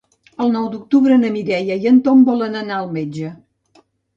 El nou d'octubre na Mireia i en Tom volen anar al metge.